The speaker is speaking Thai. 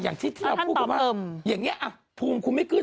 อย่างที่ที่เราพูดกันว่าอย่างนี้ภูมิคุณไม่ขึ้น